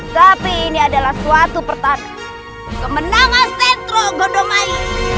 tapi ini adalah suatu pertanda kemenangan setrogondomai